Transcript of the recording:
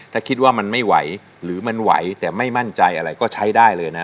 ถ้าคิดว่ามันไม่ไหวหรือมันไหวแต่ไม่มั่นใจอะไรก็ใช้ได้เลยนะ